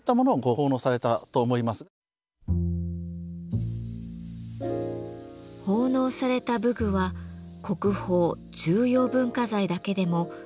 奉納された武具は国宝・重要文化財だけでも１６９点。